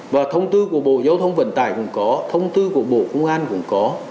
và thông tư của bộ giao thông vận tải cũng có thông tư của bộ công an cũng có